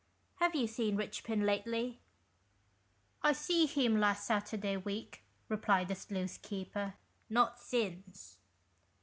Have you seen Richpin lately ?"" I see him last Saturday week," replied the sluice keeper, " not since."